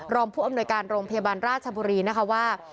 รองผู้อำนวยการโรงพยาบาลราชบุรีนะคะว่า